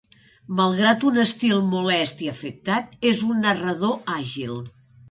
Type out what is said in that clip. Malgrat un estil molest i afectat, és un narrador àgil.